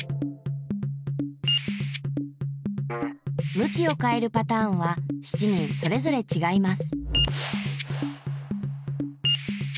むきをかえるパターンは７人それぞれちがいます。